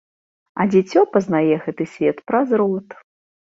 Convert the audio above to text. А дзіцё пазнае гэты свет праз рот.